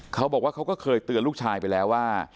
เขาก็เคยเตือนลูกชายไปแล้วว่า